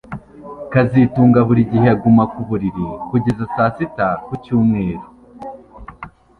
kazitunga buri gihe aguma mu buriri kugeza saa sita ku cyumweru